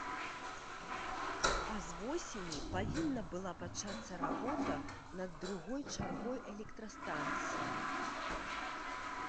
А з восені павінна была пачацца работа над другой чаргой электрастанцыі.